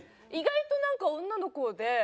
意外となんか女の子で。